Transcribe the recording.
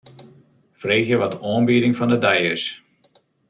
Freegje wat de oanbieding fan 'e dei is.